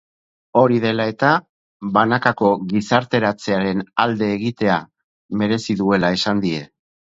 Hori dela eta, banakako gizarteratzearen alde egitea merezi duela esan die.